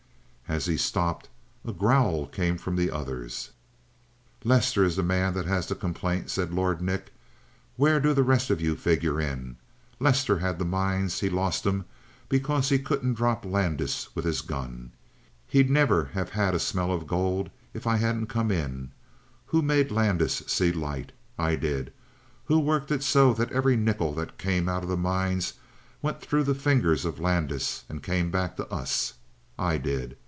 As he stopped, a growl came from the others. "Lester is the man that has the complaint," said Lord Nick. "Where do the rest of you figure in it? Lester had the mines; he lost 'em because he couldn't drop Landis with his gun. He'd never have had a smell of the gold if I hadn't come in. Who made Landis see light? I did! Who worked it so that every nickel that came out of the mines went through the fingers of Landis and came back to us? I did!